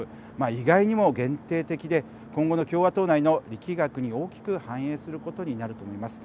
意外にも限定的で今後の共和党内の力学に大きく反映することになると思います。